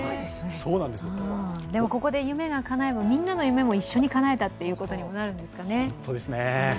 ここで夢がかなえばみんなの夢も一緒にかなえたということになるんですかね。